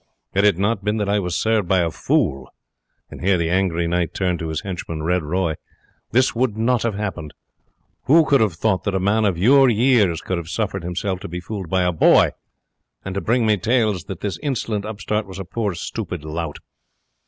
Had it not been that I was served by a fool" and here the angry knight turned to his henchman, Red Roy "this would not have happened. Who could have thought that a man of your years could have suffered himself to be fooled by a boy, and to bring me tales that this insolent upstart was a poor stupid lout!